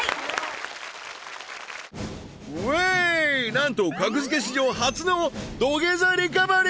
ウエーイなんと格付け史上初の土下座リカバリー